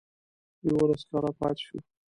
یوولس کاله پاته شو.